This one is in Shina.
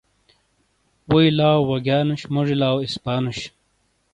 ووئی لاؤ وَگیا نُش، موجی لاؤ اِسپا نُش۔